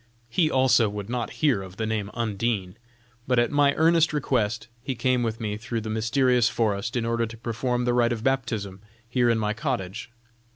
He also would not hear of the name of Undine, but at my earnest request he came with me through the mysterious forest in order to perform the rite of baptism here in my cottage.